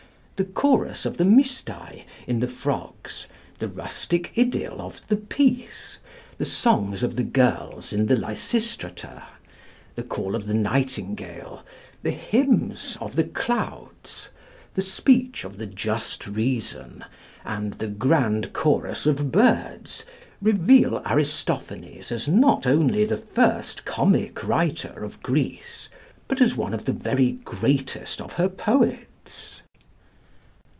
The chorus of the Mystæ in the 'Frogs,' the rustic idyl of the 'Peace,' the songs of the girls in the 'Lysistrata,' the call of the nightingale, the hymns of the 'Clouds,' the speech of the "Just Reason," and the grand chorus of birds, reveal Aristophanes as not only the first comic writer of Greece, but as one of the very greatest of her poets.